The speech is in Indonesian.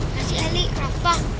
kasih eli krapah